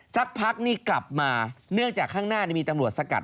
สักพักนี่กลับมาเนื่องจากข้างหน้ามีตำรวจสกัด